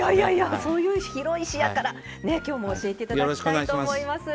そういう広い視野から今日も教えていただきたいと思います。